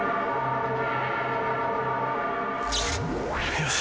よし。